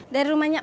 dari rumahnya emak